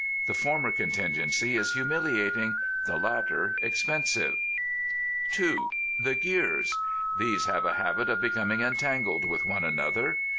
The former contingency is humiliating, the latter expensive. (2) The Gears. These have a habit of becoming entangled with one another.